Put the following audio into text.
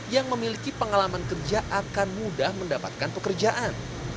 yang memiliki pengalaman kerja akan mudah mendapatkan pekerjaan